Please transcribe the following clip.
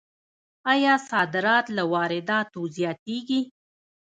آیا صادرات له وارداتو زیاتیږي؟